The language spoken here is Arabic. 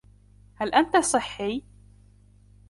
هل أنت صحي ؟